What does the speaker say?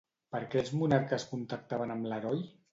Per què els monarques contactaven amb l'heroi?